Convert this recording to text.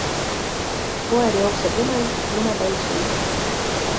Koer jookseb lumel, lumepall suus.